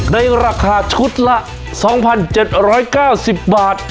ในราคาชุดละ๒๗๙๐บาท